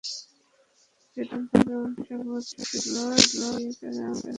যদিও আইন সম্পর্কে মানুষ অবগত ছিল, সোভিয়েত আমলের আইন তখনো ছিল।